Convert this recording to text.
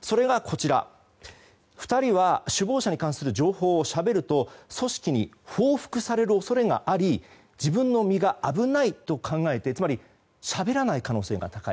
それが、２人は首謀者に関する情報をしゃべると組織に報復される恐れがあり自分の身が危ないと考えてつまりしゃべらない可能性が高い。